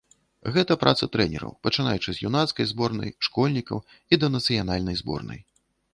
Гэта праца трэнераў, пачынаючы з юнацкай зборнай, школьнікаў і да нацыянальнай зборнай.